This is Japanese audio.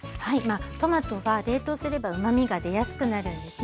トマトは冷凍すればうまみが出やすくなるんですね。